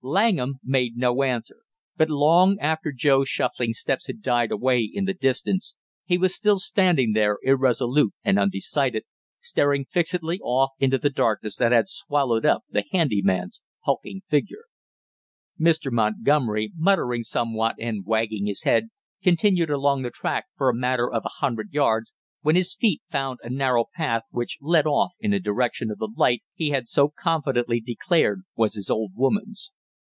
Langham made no answer, but long after Joe's shuffling steps had died away in the distance he was still standing there irresolute and undecided, staring fixedly off into the darkness that had swallowed up the handy man's hulking figure. Mr. Montgomery, muttering somewhat and wagging his head, continued along the track for a matter of a hundred yards, when his feet found a narrow path which led off in the direction of the light he had so confidently declared was his old woman's.